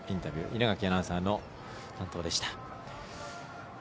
稲垣アナウンサーの担当でした。